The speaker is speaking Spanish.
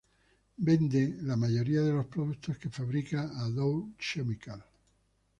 Vende la mayoría de los productos que fabrica a Dow Chemical.